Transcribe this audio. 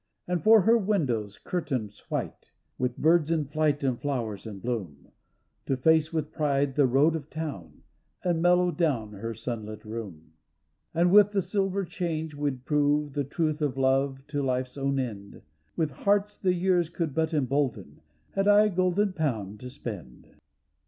And for her windows curtains white, With birds in flight and flowers in bloom, To face with pride the road to town, And mellow down her sunlit room. And with the silver change we'd prove The truth of Love to life's own end, With hearts the years could but embolden. Had I a golden pound to spend.